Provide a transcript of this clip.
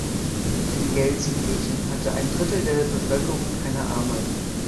In Gelsenkirchen hatte ein Drittel der Bevölkerung keine Arbeit.